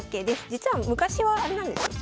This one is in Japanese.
実は昔はあれなんですよ